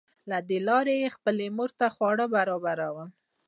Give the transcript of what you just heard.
له دې لارې یې خپلې مور ته خواړه برابرول